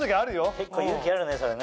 結構勇気あるねそれね。